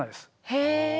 へえ。